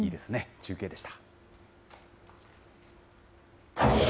中継でした。